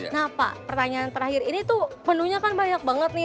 nah pak pertanyaan terakhir ini tuh penuhnya kan banyak banget nih